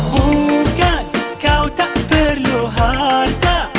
bukan kau tak perlu harta